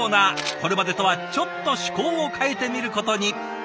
これまでとはちょっと趣向を変えてみることに。